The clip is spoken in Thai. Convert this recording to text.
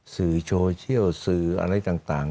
สื่อโซเชียลสื่ออะไรต่าง